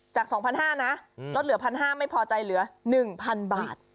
จาก๒๕๐๐นะลดเหลือ๑๕๐๐ไม่พอใจเหลือ๑๐๐๐บาท